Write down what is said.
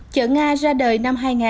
chợ nga ra đời năm hai nghìn